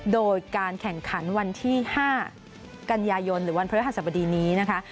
โดยการแข่งขันวันที่๕กันยายนหรือวันพระฤหัสบดีนี้นะคะ